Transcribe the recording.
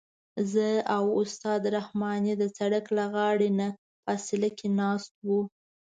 زه او استاد رحماني د سړک له غاړې نه فاصله کې ناست وو.